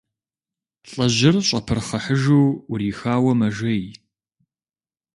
Лӏыжьыр щӀэпырхъыхьыжу Ӏурихауэ мэжей.